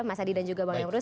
mas adi dan juga bang emrus